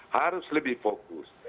harus lebih fokus